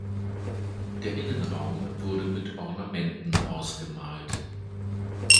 Der Innenraum wurde mit Ornamenten ausgemalt.